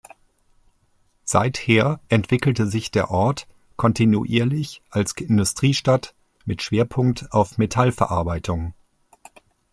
Seither entwickelte sich der Ort kontinuierlich als Industriestadt mit Schwerpunkt auf Metallverarbeitung.